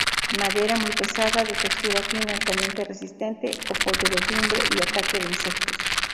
Madera muy pesada, de textura fina altamente resistente a podredumbre y ataque de insectos.